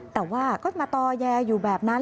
แต่ว่าก็มาต่อแยอยู่แบบนั้น